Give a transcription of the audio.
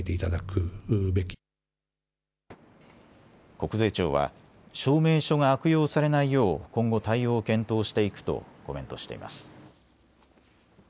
国税庁は証明書が悪用されないよう今後対応を検討していくとコメントしています。